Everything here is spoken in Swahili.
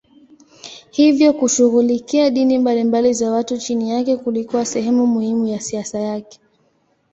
Hivyo kushughulikia dini mbalimbali za watu chini yake kulikuwa sehemu muhimu ya siasa yake.